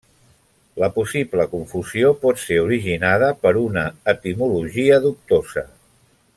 La possible confusió pot ser originada per una etimologia dubtosa.